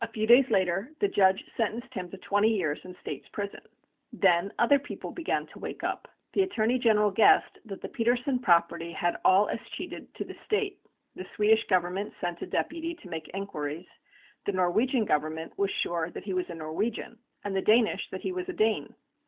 A few days later the judge sentenced him to twenty years in State's prison. Then other people began to wake up. The Attorney General guessed that the Petersen property had all escheated to the State, the Swedish Government sent a deputy to make inquiries, the Norwegian Government was sure that he was a Norwegian, and the Danish that he was a Dane.